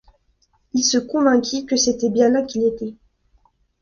Il se convainquit que c’était bien là qu’il était.